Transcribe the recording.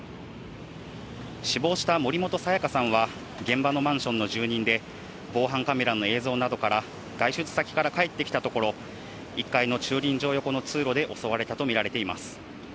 死亡した森本彩加さんは現場のマンションの住人で、防犯カメラの映像などから、外出先から帰ってきたところ、１階の駐輪場横の通路で襲われたと見られています。